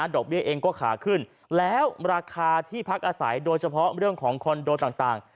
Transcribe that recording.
ดอกเบี้ยเองก็ขาขึ้นแล้วราคาที่พักอาศัยโดยเฉพาะเรื่องของคอนโดต่าง